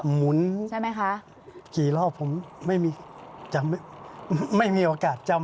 หมุนกี่รอบผมไม่มีโอกาสจำ